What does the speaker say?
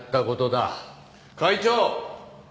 会長。